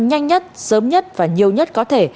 nhanh nhất sớm nhất và nhiều nhất có thể